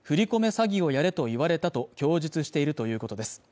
詐欺をやれと言われたと供述しているということです